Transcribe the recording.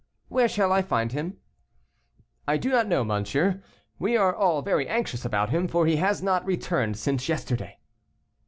"Where shall I find him?" "I do not know, monsieur. We are all very anxious about him, for he has not returned since yesterday."